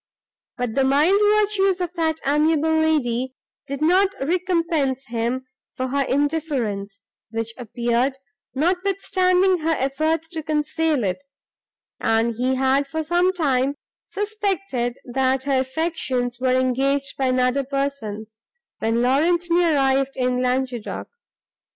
But the mild virtues of that amiable lady did not recompense him for her indifference, which appeared, notwithstanding her efforts to conceal it; and he had, for some time, suspected that her affections were engaged by another person, when Laurentini arrived in Languedoc.